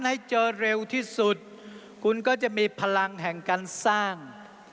ให้เจอเร็วที่สุดคุณก็จะมีพลังแห่งการสร้าง